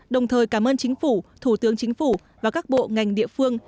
đồng thời cảm ơn chính phủ thủ tướng chính phủ và các bộ ngành địa phương